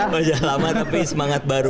wajah lama tapi semangat baru